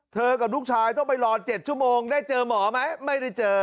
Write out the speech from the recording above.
กับลูกชายต้องไปรอ๗ชั่วโมงได้เจอหมอไหมไม่ได้เจอ